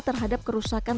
terhadap kerusakan brand